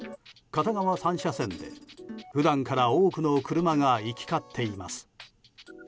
片側３車線で、普段から多くの車が行き交っています。